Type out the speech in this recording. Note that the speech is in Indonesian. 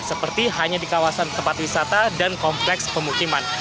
seperti hanya di kawasan tempat wisata dan kompleks pemukiman